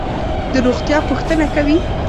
د روغتیا پوښتنه کوي.